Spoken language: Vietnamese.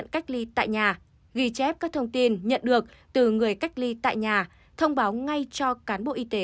cách ly tại nhà ghi chép các thông tin nhận được từ người cách ly tại nhà thông báo ngay cho cán bộ y tế